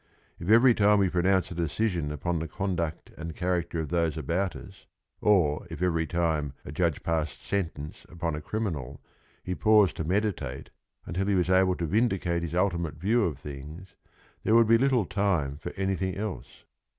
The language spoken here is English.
If every time we pronounced a decision upon the conduct and character of those about us, or if every time a judge passed sentence upon a criminal he paused to meditate until he was able to vindicate his ultimate view of things, there would be little time for anything else.